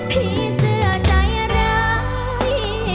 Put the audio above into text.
ผีเสือใจร้าย